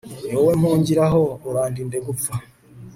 ni wowe mpungiraho, urandinde gupfa